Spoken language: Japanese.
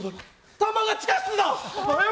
弾が地下室だ！